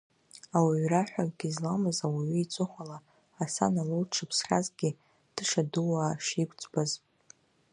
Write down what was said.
Ауаҩра ҳәа акгьы зламыз ауаҩы иҵыхәала, Ҳасан Алоу дшыԥсхьазгьы, тышадуаа шиқәӡбаз…